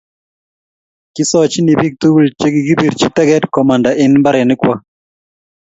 kisochini biik tugul che kikibirchi tege komanda eng' mbarenikwak